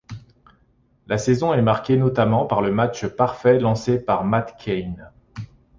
La saison est marquée notamment par le match parfait lancé par Matt Cain.